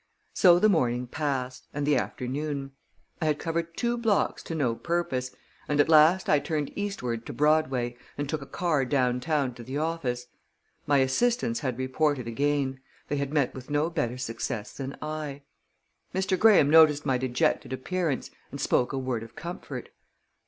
So the morning passed, and the afternoon. I had covered two blocks to no purpose, and at last I turned eastward to Broadway, and took a car downtown to the office. My assistants had reported again they had met with no better success than I. Mr. Graham noticed my dejected appearance, and spoke a word of comfort.